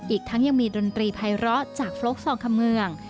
อีกทั้งยังมีดนตรีไภร้อจากโฟร์สองคมเมือง